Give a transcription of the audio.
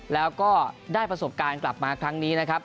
แล้วก็ได้ประสบการณ์กลับมาครั้งนี้นะครับ